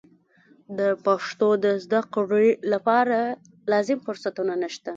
د پښتو د زده کړې لپاره لازم فرصتونه نشته.